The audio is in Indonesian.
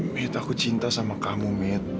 met aku cinta sama kamu met